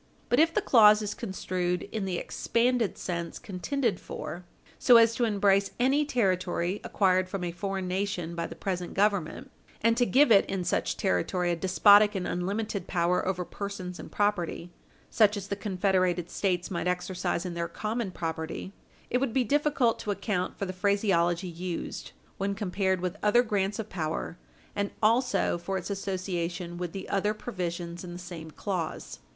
But if the clause is construed in the expanded sense contended for, so as to embrace any territory acquired from a foreign nation by the present Government and to give it in such territory a despotic and unlimited power over persons and property such as the confederated States might exercise in their common property, it would be difficult to account for the phraseology used when compared with other grants of power and also for its association with the other provisions in the same clause.